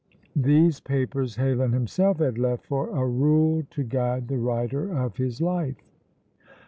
These papers Heylin himself had left for "a rule to guide the writer of his life."